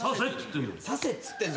させっつってんの。